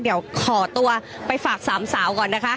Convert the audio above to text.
เดี๋ยวขอตัวไปฝากสามสาวก่อนนะคะ